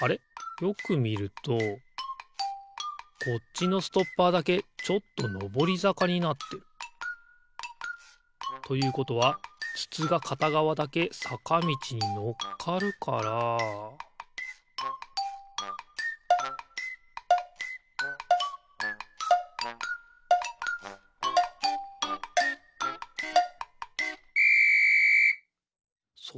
よくみるとこっちのストッパーだけちょっとのぼりざかになってる。ということはつつがかたがわだけさかみちにのっかるからピッ！